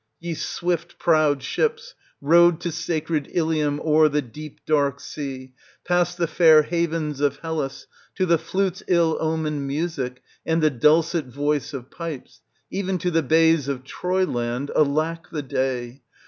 Ye swift prowed ships, rowed to sacred Ilium o'er the deep dark sea, past the fair havens of Hellas, to the flute's ill omened music and the dulcet voice of pipes, even to the bays of Troyland (alack the day!)